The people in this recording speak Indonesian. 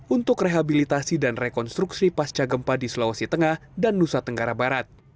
untuk rehabilitasi dan rekonstruksi pasca gempa di sulawesi tengah dan nusa tenggara barat